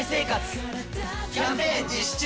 キャンペーン実施中！